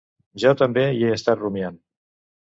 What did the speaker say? Jo també hi he estat rumiant.